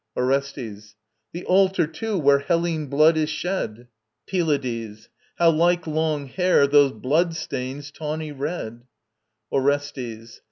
ORESTES. The altar, too, where Hellene blood is shed. PYLADES. How like long hair those blood stains, tawny red! ORESTES.